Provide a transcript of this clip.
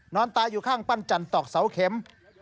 นอนตายอยู่ข้างปั้นจันตอกเสาเข็ม